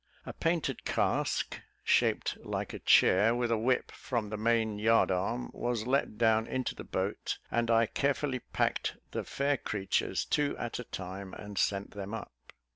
A painted cask, shaped like a chair, with, a whip from the main yard arm, was let down into the boat; and I carefully packed the fair creatures, two at a time, and sent them up.